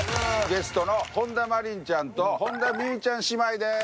ゲストの本田真凜ちゃんと本田望結ちゃん姉妹です。